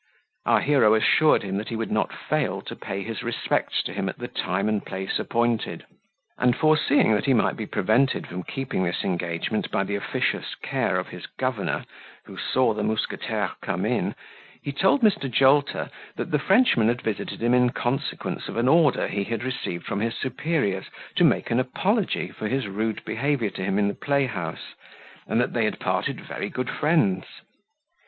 Our hero assured him he would not fail to pay his respects to him at the time and place appointed; and foreseeing that he might be prevented from keeping this engagement by the officious care of his governor, who saw the mousquetaire come in, he told Mr. Jolter, that the Frenchman had visited him in consequence of an order he had received from his superiors, to make an apology for his rude behaviour to him in the playhouse, and that they had parted very good friends.